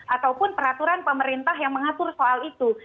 ataupun peraturan pemerintah yang mengatur soal itu